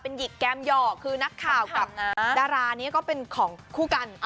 หยิกแกมหยอกคือนักข่าวกับดารานี้ก็เป็นของคู่กัน